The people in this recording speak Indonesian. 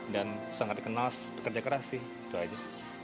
dan sangat dikenal kerja keras sih itu aja